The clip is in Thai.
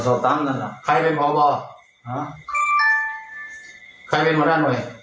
จัดกระบวนพร้อมกัน